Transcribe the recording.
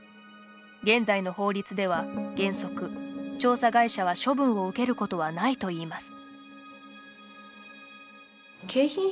現在の法律では、原則調査会社は処分を受けることはないといいます。